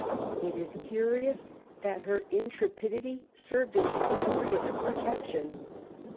It is curious that her intrepidity served to some degree as a protection.